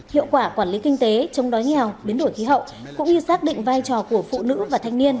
hiệu quả quản lý kinh tế chống đói nghèo biến đổi khí hậu cũng như xác định vai trò của phụ nữ và thanh niên